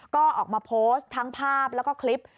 ก็ออกมาโพสต์ทั้งภาพแล้วก็คลิป